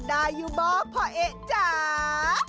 ได้อยู่บ่พ่อเอ๊ะจ๋า